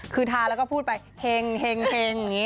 คือทาแล้วก็พูดไปเฮ็งเฮ็งเฮ็งอย่างนี้